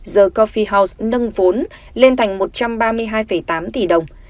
the coffee house nâng vốn lên một trăm ba mươi hai tám tỷ đồng